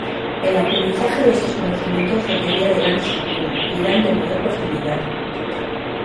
El aprendizaje de estos conocimientos requería de gran disciplina y eran de mayor profundidad.